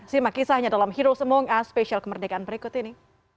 simak kisahnya dalam hirosomangas spesial kemerdekaan berikut ini